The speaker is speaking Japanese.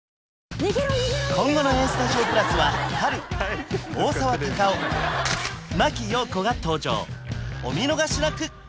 今後の「ＡＳＴＵＤＩＯ＋」は波瑠大沢たかお真木よう子が登場お見逃しなく！